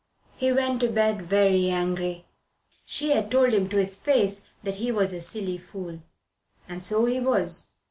He went to bed very angry. She had told him to his face that he was a silly fool. And so he was.